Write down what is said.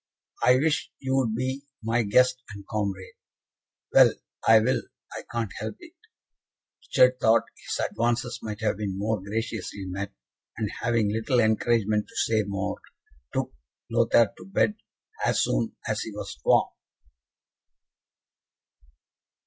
"I wish you would be my guest and comrade." "Well, I will; I can't help it." Richard thought his advances might have been more graciously met, and, having little encouragement to say more, took Lothaire to bed, as soon as he was warm.